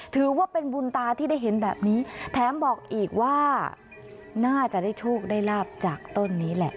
ถือว่าเป็นบุญตาที่ได้เห็นแบบนี้แถมบอกอีกว่าน่าจะได้โชคได้ลาบจากต้นนี้แหละ